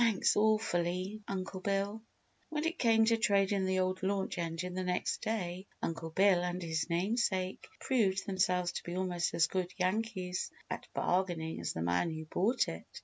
"Thanks, awfully, Uncle Bill!" When it came to trading the old launch engine the next day Uncle Bill and his namesake proved themselves to be almost as good Yankees at bargaining as the man who bought it.